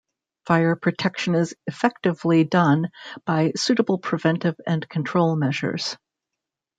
Fire protection is effectively done by suitable preventive and control measures.